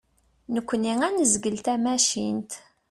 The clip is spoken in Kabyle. Nekni ad nezgel tamacint.